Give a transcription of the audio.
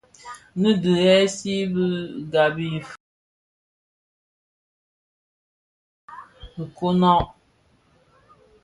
Nnë ti ghèsèè ki ghabi fœug annë dhi nkonag.